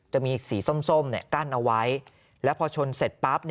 จะมีสีส้มกั้นเอาไว้แล้วพอชนเสร็จปั๊บ